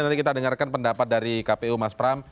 nanti kita dengarkan pendapat dari kpu mas pram